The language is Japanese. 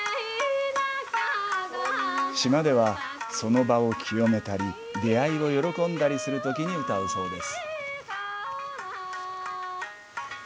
島では、その場を清めたり出会いを喜んだりするときに歌うそうです。